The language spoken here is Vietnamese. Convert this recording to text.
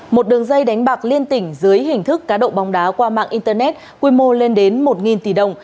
một đường dây đánh bạc liên tỉnh dưới hình thức cá độ bóng đá qua mạng internet quy mô lên đến một tỷ đồng